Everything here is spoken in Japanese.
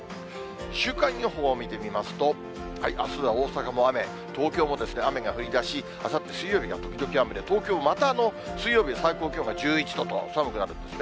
週間予報を見てみますと、あすは大阪も雨、東京も雨が降りだし、あさって水曜日は時々雨で、東京、また、水曜日、最高気温が１１度と寒くなるんですね。